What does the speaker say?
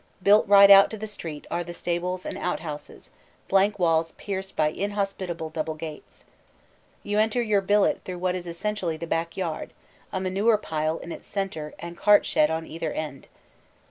Built right out to the street are the stables and out houses blank walls pierced by inhospitable double gates. You enter your billet through what is essentially the backyard, a manure pile in its centre and cart shed on either hand.